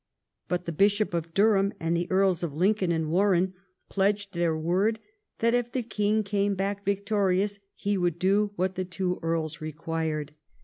But the Bishop of Durham and the Earls of Lincoln and Warenne pledged their word that if the king came back victorious he would do Avhat the two earls required.